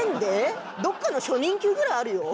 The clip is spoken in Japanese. どっかの初任給ぐらいあるよ。